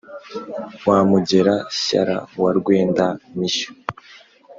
wa mugera shyara wa rwenda mishyo